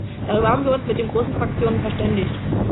Darüber haben wir uns mit den großen Fraktionen verständigt.